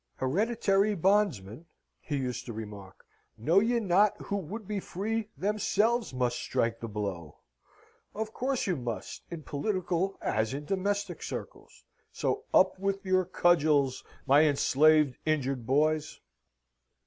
"Hereditary bondsmen," he used to remark, "know ye not, who would be free, themselves must strike the blow?" Of course you must, in political as in domestic circles. So up with your cudgels, my enslaved, injured boys!